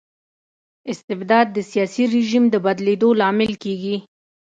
استبداد د سياسي رژيم د بدلیدو لامل کيږي.